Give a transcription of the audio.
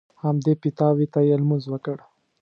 همدې پیتاوي ته یې لمونځ وکړ.